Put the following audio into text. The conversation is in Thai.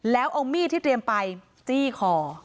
แล้วเอามีดที่เตรียมไปจี้คอ